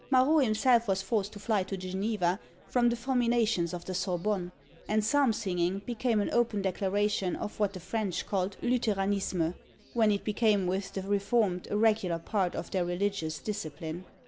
Marot himself was forced to fly to Geneva from the fulminations of the Sorbonne, and psalm singing became an open declaration of what the French called "Lutheranisme," when it became with the reformed a regular part of their religious discipline.